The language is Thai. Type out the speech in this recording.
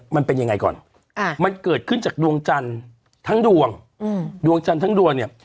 มันเป็นยังไงก่อนมันเกิดขึ้นจากดวงจันทร์ทั้งดวงดวงจันทร์ทั้งดวงเนี่ย